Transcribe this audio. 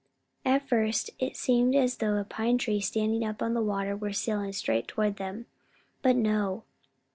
At first it seemed as though a pine tree standing up on the water were sailing straight toward them. But no!